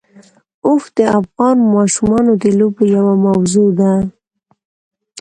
اوښ د افغان ماشومانو د لوبو یوه موضوع ده.